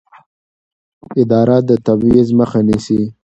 اداره د تبعیض مخه نیسي.